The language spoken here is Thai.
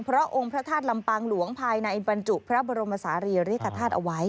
เพราะองค์พระทาสดิ์ลำมปางหลวงภายในบรรจุพระบรมาศาลยาุฤีย์ขาธาสเอาไว้